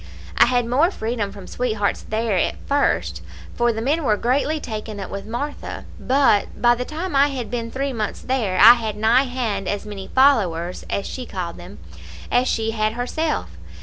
I had more freedom from sweethearts there at first, for the men were greatly taken up with Martha; but by the time I had been three months there I had nigh hand as many followers, as she called them, as she had herself.